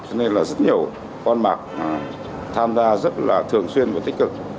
cho nên là rất nhiều con bạc tham gia rất là thường xuyên và tích cực